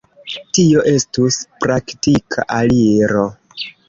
Tio estus praktika aliro.